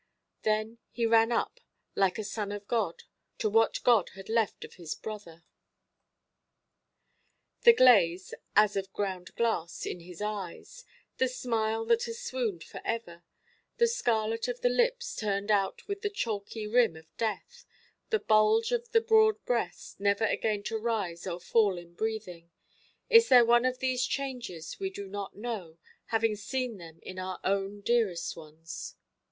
Then he ran up, like a son of God, to what God had left of his brother. The glaze (as of ground glass) in the eyes, the smile that has swooned for ever, the scarlet of the lips turned out with the chalky rim of death, the bulge of the broad breast, never again to rise or fall in breathing—is there one of these changes we do not know, having seen them in our own dearest ones?